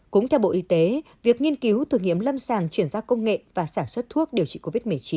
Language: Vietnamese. cũng theo bộ y tế việc nghiên cứu thử nghiệm lâm sàng chuyển giao công nghệ và sản xuất thuốc điều trị covid một mươi chín